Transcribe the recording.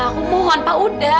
aku mohon pak udah